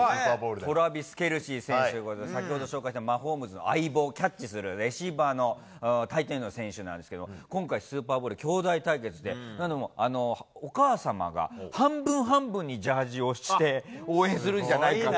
トラビス・ケルシー選手、先ほど紹介した、マホームズの相棒、キャッチするレシーバーの選手なんですけど、今回、スーパーボウル、兄弟対決で、お母様が半分半分にジャージをして、応援するんじゃないかって。